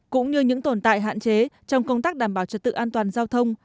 cũng như những tồn tại hạn chế trong công tác đảm bảo trật tự an toàn giao thông